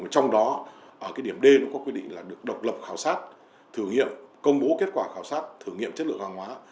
trong đó điểm d có quy định là được độc lập khảo sát thử nghiệm công bố kết quả khảo sát thử nghiệm chất lượng hàng hóa